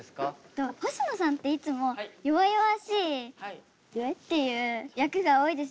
ほしのさんっていつも弱々しいっていう役が多いですよね？